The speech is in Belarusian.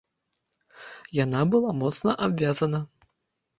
Яна была моцна абвязана.